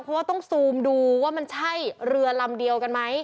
เพราะว่าต้องซูมดูว่ามันใช่เรือลำเดียวกันไหม